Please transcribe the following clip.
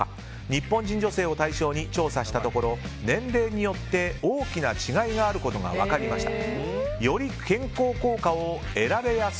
日本人女性を対象に調査したところ年齢によって大きな違いがあることが分かりました。